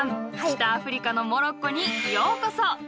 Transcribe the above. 北アフリカのモロッコにようこそ！